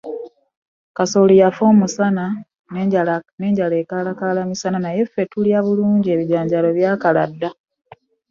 Kasooli yafa omusana, n'enjala ekaalakaala misana, naye ffe tulya bulungi, ebijanjaalo byakala dda.